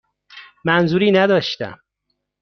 منظوری نداشتم.